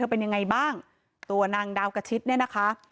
เป็นยังไงบ้างตัวนางดาวกระชิดเนี่ยนะคะ